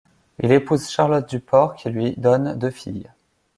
Il épouse Charlotte Duport qui lui donne deux filles.